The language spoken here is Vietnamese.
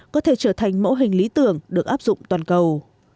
có thể trở thành mẫu hình lý tưởng được áp dụng toàn cầu